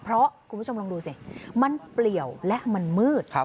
เพราะคุณผู้ชมลองดูสิมันเปลี่ยวและมันมืด